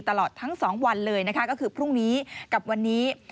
ตลอดทั้ง๒วันเลยนะคะก็คือพรุ่งนี้กับวันนี้